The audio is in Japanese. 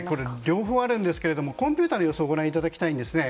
両方あるんですがコンピューターの予想をご覧いただきたいんですね。